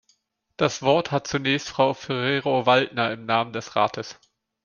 Das Wort hat zunächst Frau Ferrero-Waldner im Namen des Rates.